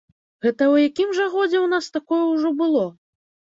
Гэта ў якім жа годзе ў нас такое ўжо было?